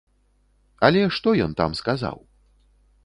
Але што ён там сказаў?